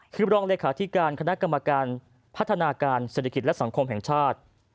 คือรองเลขาธิการคณะกรรมการพัฒนาการเศรษฐกิจและสังคมแห่งชาติ